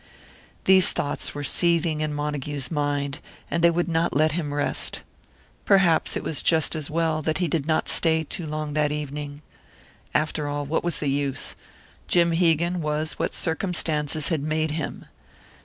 These thoughts were seething in Montague's mind, and they would not let him rest. Perhaps it was just as well that he did not stay too long that evening. After all, what was the use? Jim Hegan was what circumstances had made him.